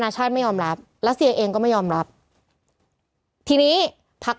ทีนี้ทักเรื่องนี่ไว้ก่อน